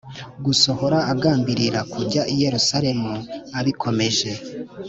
gusohora agambirira kujya i Yerusalemu abikomeje